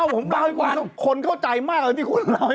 ผมเล่าให้คนเข้าใจมาก